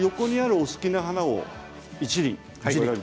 お好きな花を１輪。